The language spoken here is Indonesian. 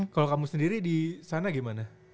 kalau kamu sendiri di sana gimana